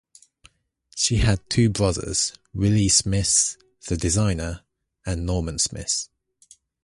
She had two brothers, Willi Smith, the designer, and Norman Smith.